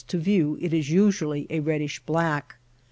to view it is usually a reddish black.